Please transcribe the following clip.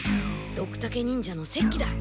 ドクタケ忍者の雪鬼だ。